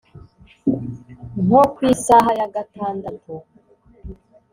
Nko ku isaha ya gatandatu